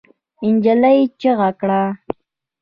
نجلۍ چيغه کړه.